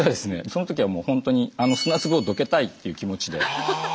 そのときはもうホントにあの砂粒をどけたいっていう気持ちで。